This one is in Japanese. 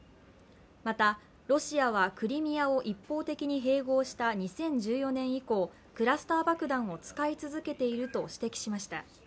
また、ロシアはクリミアを一方的に併合した２０１４年以降、クラスター爆弾を使い続けていると指摘しました。